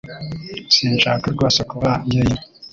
Sinshaka rwose kuba njyenyine